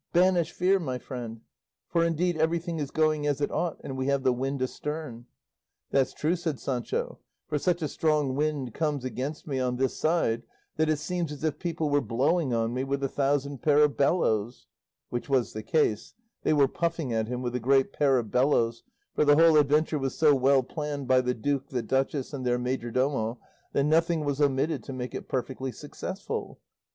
Banish fear, my friend, for indeed everything is going as it ought, and we have the wind astern." "That's true," said Sancho, "for such a strong wind comes against me on this side, that it seems as if people were blowing on me with a thousand pair of bellows;" which was the case; they were puffing at him with a great pair of bellows; for the whole adventure was so well planned by the duke, the duchess, and their majordomo, that nothing was omitted to make it perfectly successful.